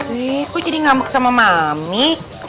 wih kok jadi ngambek sama mami